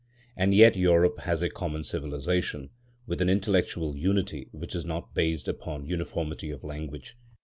And yet Europe has a common civilisation, with an intellectual unity which is not based upon uniformity of language.